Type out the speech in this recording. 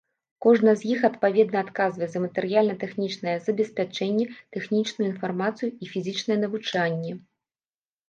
Кожная з іх адпаведна адказная за матэрыяльна-тэхнічнае забеспячэнне, тэхнічную інфармацыю і фізічнае навучанне.